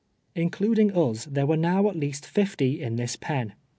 Including us, there were now at least fifty in this pen.